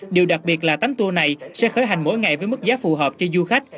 điều đặc biệt là bánh tour này sẽ khởi hành mỗi ngày với mức giá phù hợp cho du khách